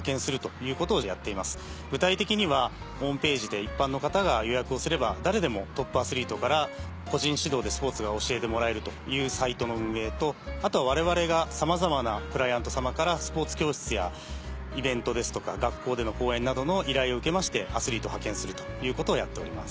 具体的にはホームページで一般の方が予約をすれば誰でもトップアスリートから個人指導でスポーツが教えてもらえるというサイトの運営とあとは我々がさまざまなクライアント様からスポーツ教室やイベントですとか学校での講演などの依頼を受けましてアスリート派遣するということをやっております。